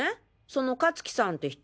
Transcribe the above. その香月さんって人。